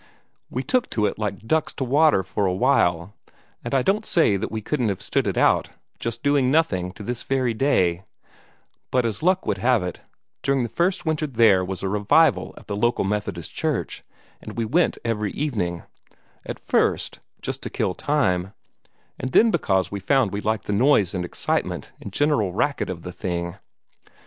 We took to it like ducks to water for a while, and I don't say that we couldn't have stood it out, just doing nothing, to this very day; but as luck would have it, during the first winter there was a revival at the local Methodist church, and we went every evening at first just to kill time, and then because we found we liked the noise and excitement and general racket of the thing.